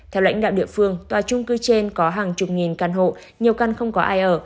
theo lãnh đạo địa phương tòa trung cư trên có hàng chục nghìn căn hộ nhiều căn không có ai ở